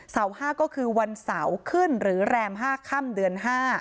เสาร์๕ก็คือวันเสาขึ้นหรือแรมห้าค่ำเดือน๕